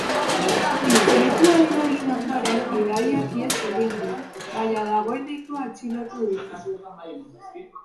Istripua eragin ondoren, gidariak ihes egin du, baina dagoeneko atxilotu dute.